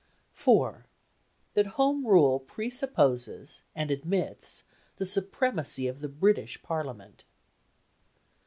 4. That Home Rule presupposes and admits the supremacy of the British Parliament.